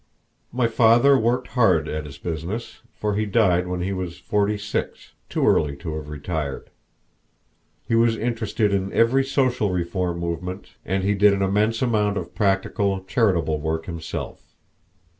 My father worked hard at his business, for he died when he was forty six, too early to have retired. He was interested in every social reform movement, and he did an immense amount of practical charitable work himself.